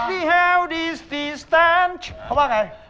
เขาว่าไง